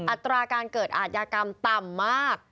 อัตราการเกิดอาทยากรรมต่ำมาก